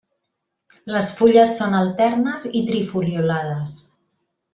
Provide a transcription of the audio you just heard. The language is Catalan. Les fulles són alternes i trifoliolades.